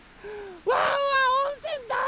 ワンワンおんせんだいすき！